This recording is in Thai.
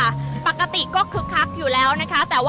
อาจจะออกมาใช้สิทธิ์กันแล้วก็จะอยู่ยาวถึงในข้ามคืนนี้เลยนะคะ